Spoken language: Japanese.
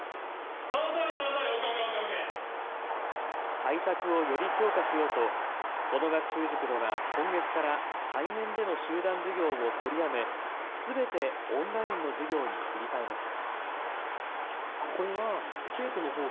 対策を、より強化しようとこの学習塾では今月から対面での集団授業を取りやめすべてオンラインの授業に切り替えました。